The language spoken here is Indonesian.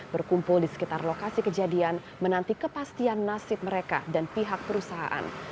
berkumpul di sekitar lokasi kejadian menanti kepastian nasib mereka dan pihak perusahaan